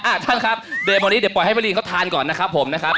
ท่านครับเดินวันนี้เดี๋ยวปล่อยให้มะลิเขาทานก่อนนะครับผมนะครับ